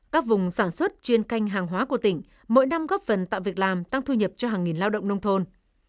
các vùng sản xuất chuyên canh hàng hóa của tỉnh mỗi năm góp phần tạo việc làm tăng thu nhập cho hàng nghìn lao động nông thôn